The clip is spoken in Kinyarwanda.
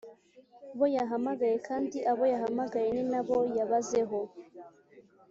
Bo yahamagaye kandi abo yahamagaye ni na bo yabazeho